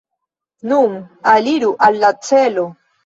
Nun aliru al la celo!